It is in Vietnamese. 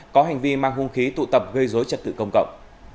có hành vi mang hung khí tụ tập gây dối trật tự công cộng